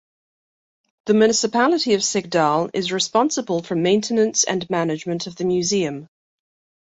The municipality of Sigdal is responsible for maintenance and management of the museum.